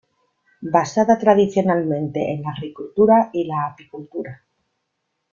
Basada tradicionalmente en la agricultura y la apicultura.